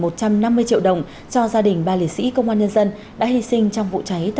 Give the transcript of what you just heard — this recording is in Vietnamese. một trăm năm mươi triệu đồng cho gia đình ba liệt sĩ công an nhân dân đã hy sinh trong vụ cháy tại